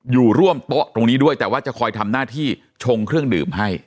อยู่ร่วมโต๊ะตรงนี้ด้วยแต่ว่าจะคอยทำหน้าที่ชงเครื่องดื่มให้